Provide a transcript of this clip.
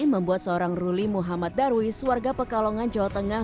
membuat seorang ruli muhammad darwis warga pekalongan jawa tengah